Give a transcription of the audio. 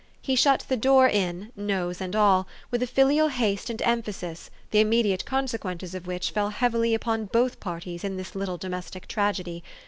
He shut the door in nose and all with a filial haste and emphasis, the immediate consequences of which fell heavily upon both parties in this little domestic tragedy.